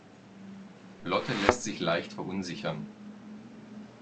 Lotte lässt sich leicht verunsichern.